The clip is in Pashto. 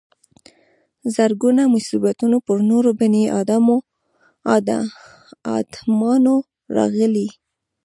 زرګونه مصیبتونه پر نورو بني ادمانو راغلي.